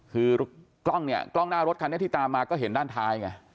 คือกล้องหน้ารถที่ตามมาก็เห็นด้านท้าย